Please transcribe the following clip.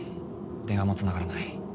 電話もつながらない。